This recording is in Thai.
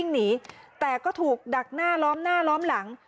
หนีแต่ก็ถูกดักหน้าล้อมหน้าล้อมหลัง